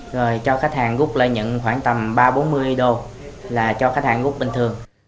rồi cho khách hàng gúc lợi nhận khoảng tầm ba bốn mươi đô là cho khách hàng gúc bình thường